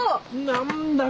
何だ？